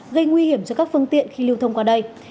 gây nguy hiểm cho các phương tiện khi lưu thông qua đây